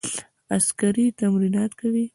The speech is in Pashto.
عسکري تمرینات کوي.